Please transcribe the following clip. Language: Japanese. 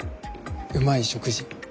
うまい「食事」。